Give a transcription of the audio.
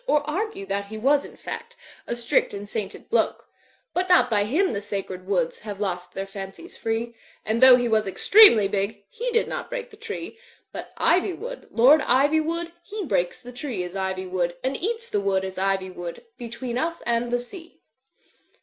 Or argue that he was in fact A strict and sainted bloke; But not by him the sacred woods Have lost their fancies free, And though he was extremely big. He did not break the tree. But Ivywood, Lord Ivywood, He breaks the tree as ivy would Aad eats the woods as ivy would Between us and the sea.